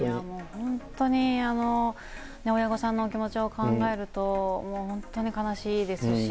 本当に親御さんのお気持ちを考えると、もう本当に悲しいですし。